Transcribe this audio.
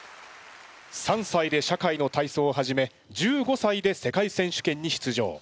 ３歳で社会の体操を始め１５歳で世界選手権に出場。